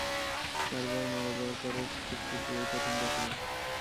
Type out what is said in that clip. চার বার মারা যাওয়ার পরেও খুব খুশি, এই প্রথম দেখলাম।